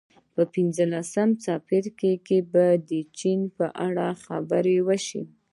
په پنځلسم څپرکي کې به د چین په اړه خبرې وشي